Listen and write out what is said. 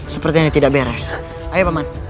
sepertinya ini tidak beres ayo pak mat